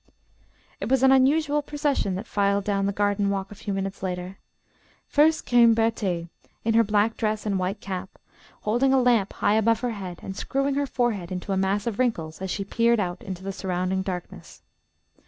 It was an unusual procession that filed down the garden walk a few minutes later. First came Berthé, in her black dress and white cap, holding a lamp high above her head, and screwing her forehead into a mass of wrinkles as she peered out into the surrounding darkness.